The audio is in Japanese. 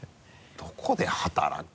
どこで働く？